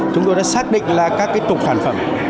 chúng tôi đã xác định là các cái tục sản phẩm